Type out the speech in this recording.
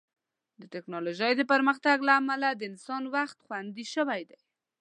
د ټیکنالوژۍ د پرمختګ له امله د انسان وخت خوندي شوی دی.